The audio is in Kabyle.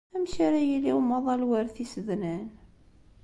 Amek ara yili umaḍal war tisednan?